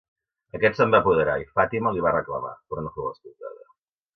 Aquest se'n va apoderar i Fàtima li va reclamar, però no fou escoltada.